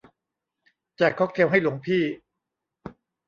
แจกค็อกเทลให้หลวงพี่